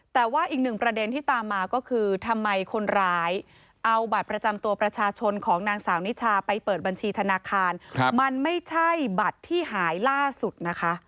แต่ว่าอีกหนึ่งประเด็นที่ตามมาก็คือทำไมคนร้ายเอาบัตรประจำตัวประชาชนของนางสาวนิชาไปเปิดบัญชีธนาคารมันไม่ใช่บัตรที่หายล่าสุดนะคะ